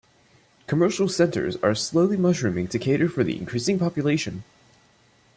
Commercial centres are slowly mushrooming to cater for the increasing population.